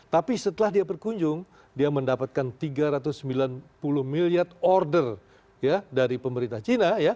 tapi setelah dia berkunjung dia mendapatkan tiga ratus sembilan puluh miliar order dari pemerintah cina